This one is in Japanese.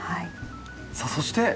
さあそして。